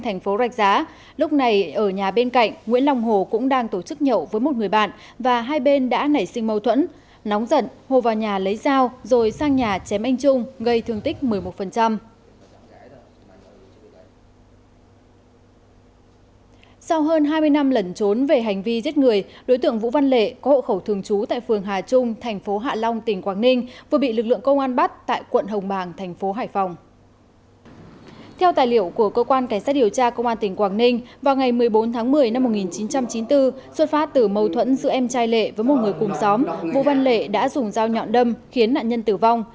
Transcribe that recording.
ngày một mươi bốn tháng một mươi năm một nghìn chín trăm chín mươi bốn xuất phát từ mâu thuẫn giữa em trai lệ với một người cùng xóm vũ văn lệ đã dùng dao nhọn đâm khiến nạn nhân tử vong